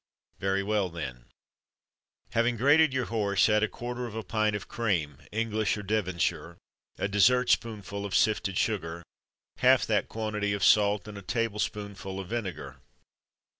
Very well, then: Having grated your horse, add a quarter of a pint of cream English or Devonshire a dessert spoonful of sifted sugar, half that quantity of salt, and a tablespoonful of vinegar.